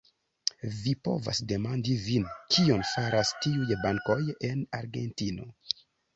Vi povas demandi vin, kion faras tiuj bankoj en Argentino?